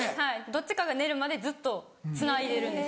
どっちかが寝るまでずっとつないでるんですよ。